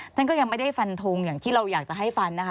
ท่านก็ยังไม่ได้ฟันทงอย่างที่เราอยากจะให้ฟันนะคะ